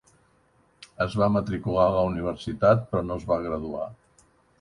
Es va matricular a la universitat però no es va graduar.